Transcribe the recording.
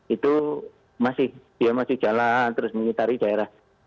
itu masih dia masih jalan terus mengitari daerah